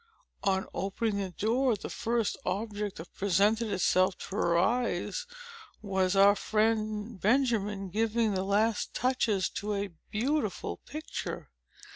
On opening the door, the first object that presented itself to her eyes was our friend Benjamin, giving the last touches to a beautiful picture.